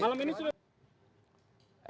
malam ini sudah